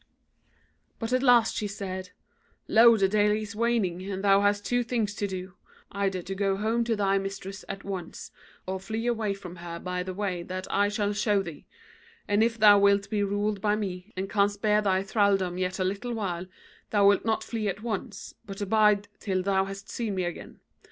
"But at last she said: 'Lo the day is waning, and thou hast two things to do; either to go home to thy mistress at once, or flee away from her by the way that I shall show thee; and if thou wilt be ruled by me, and canst bear thy thralldom yet a little while thou wilt not flee at once, but abide till thou hast seen me again.